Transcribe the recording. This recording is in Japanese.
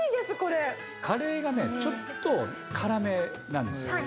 カレーがね、ちょっと辛めなんですよ。